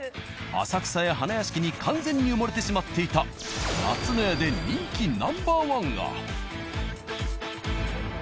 浅草や花やしきに完全に埋もれてしまっていた「夏の家」で人気Ｎｏ．１が。